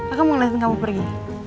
aku mau latihan kamu pergi